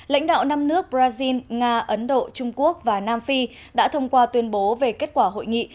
lãnh đạo năm nước brazil nga ấn độ trung quốc và nam phi đã thông qua tuyên bố về kết quả hội nghị